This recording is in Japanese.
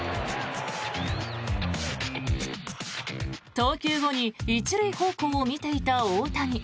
投球後に１塁方向を見ていた大谷。